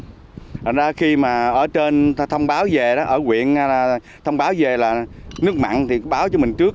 thành ra khi mà ở trên thông báo về đó ở quyện là thông báo về là nước mặn thì báo cho mình trước